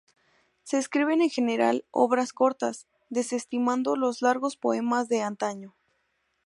Se escriben en general obras cortas, desestimando los largos poemas de antaño.